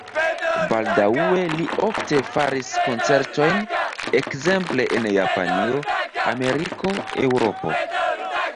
Baldaŭe li ofte faris koncertojn, ekzemple en Japanio, Ameriko, Eŭropo.